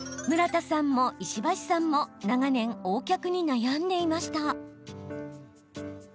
村田さんも石橋さんも長年、Ｏ脚に悩んでいました。